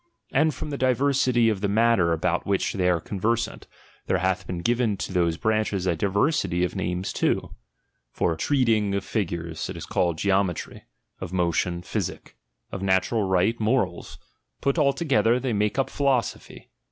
Ajid from the diversity of the matter about which they are conversant, there hath been given to those branches a diversity of names too. For IV THE EPISTLE DEDICATORY. H treatiujf of figTires, it is called geometry ; of motion, physic ; of natural right, 7noraIs ; put altogether, and they make up philosophy.